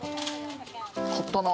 買ったな。